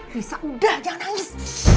risa udah jangan nangis